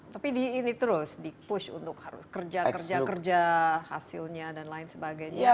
tapi ini terus di push untuk harus kerja kerja kerja hasilnya dan lain sebagainya